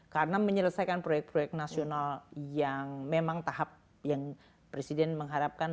karena menyelesaikan proyek proyek nasional yang memang tahap yang presiden mengharapkan